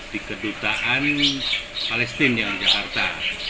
di kedutaan palestina jakarta